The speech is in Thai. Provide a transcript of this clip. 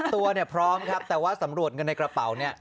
ตัวเนี่ยพร้อมครับแต่ว่าสำรวจเงินในกระเป๋าเนี่ย